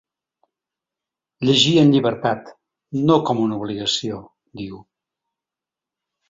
Llegir en llibertat; no com una obligació, diu.